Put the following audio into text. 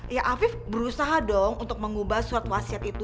ya afif berusaha dong untuk mengubah surat wasiat itu